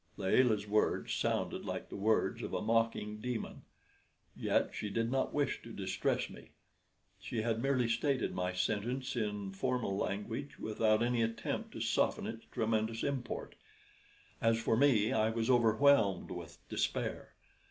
Layelah's words sounded like the words of a mocking demon. Yet she did not wish to distress me; she had merely stated my sentence in formal language, without any attempt to soften its tremendous import. As for me, I was overwhelmed with despair.